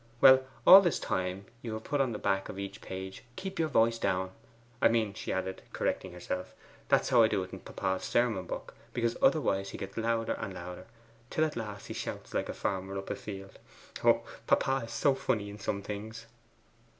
Well, all this time you have put on the back of each page, "KEEP YOUR VOICE DOWN" I mean,' she added, correcting herself, 'that's how I do in papa's sermon book, because otherwise he gets louder and louder, till at last he shouts like a farmer up a field. Oh, papa is so funny in some things!